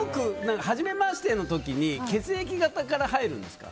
はじめましての時に血液型から入りますか？